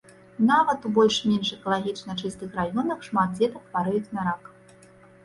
Нават у больш-менш экалагічна чыстых раёнах, шмат дзетак хварэюць на рак.